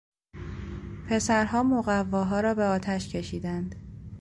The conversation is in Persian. پسرها مقواها را به آتش کشیدند.